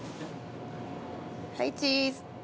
はいチーズ。